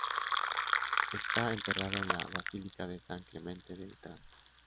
Está enterrado en la Basílica de San Clemente de Letrán.